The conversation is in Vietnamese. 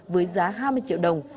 với giá hai mươi triệu đồng